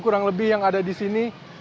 kurang lebih yang ada di sini